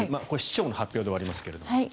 これ市長の発表ではありますが。